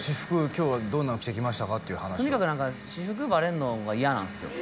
今日はどんなの着てきましたかっていう話をとにかく何か私服バレんのが嫌なんすよ